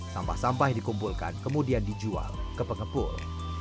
sampah sampah yang dikumpulkan kemudian dijual ke pengepul